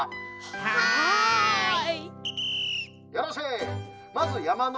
はい。